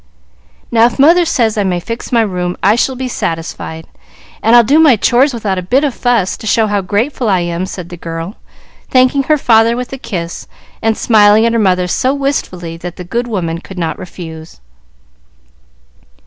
"Now, if mother says I may fix my room, I shall be satisfied, and I'll do my chores without a bit of fuss, to show how grateful I am," said the girl, thanking her father with a kiss, and smiling at her mother so wistfully that the good woman could not refuse.